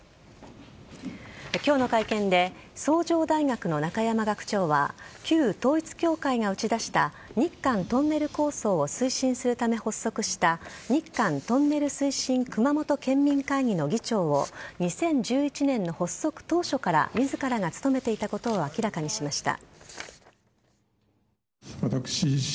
今日の会見で崇城大学の中山学長は旧統一教会が打ち出した日韓トンネル構想を推進するため発足した日韓トンネル推進熊本県民会議の議長を２０１１年の発足当初から自らが務めていたことを明らかにしました。